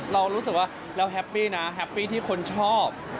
เรารู้สึกว่าเราแฮปปี้นะแฮปปี้ที่คนชอบ